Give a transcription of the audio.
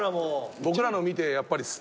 僕らの見てやっぱり量が。